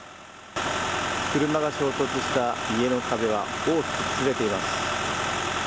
車が衝突した家の壁は大きく崩れています。